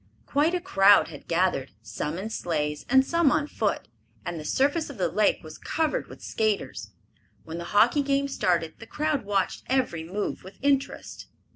Quite a crowd had gathered, some in sleighs and some on foot, and the surface of the lake was covered with skaters. When the hockey game started the crowd watched every move with interest.